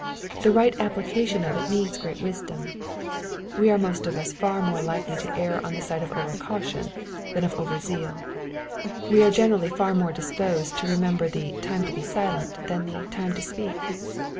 The right application of it needs great wisdom. We are most of us far more likely to err on the side of oVer caution than of over zeal. We are generally far more disposed to remember the " time to be silent," than " the time to speak."